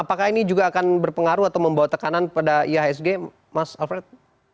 apakah ini juga akan berpengaruh atau membawa tekanan pada ihsg mas alfred